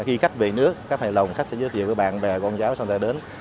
khi khách về nước khách hài lòng khách sẽ giới thiệu với bạn bè con cháu xong rồi đến